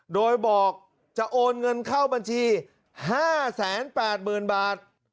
โดยบอกจะโอนเงินเข้าบัญชี๕๘๐๐๐บาท